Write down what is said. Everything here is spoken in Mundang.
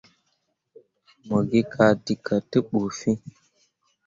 Mo gi kaa dǝkǝ te ɓu fiŋ.